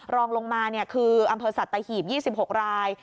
รองลงมาคืออำเภอสัตหีบ๒๖ราย